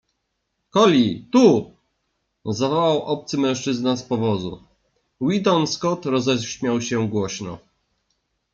Collie, tu! - zawołał obcy mężczyzna z powozu. Weedon Scott roześmiał się głośno. -